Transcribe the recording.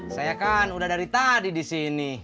saya kan udah dari tadi di sini